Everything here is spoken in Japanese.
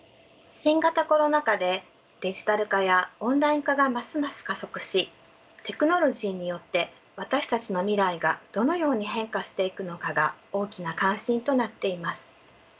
新型コロナ禍でデジタル化やオンライン化がますます加速しテクノロジーによって私たちの未来がどのように変化していくのかが大きな関心となっています。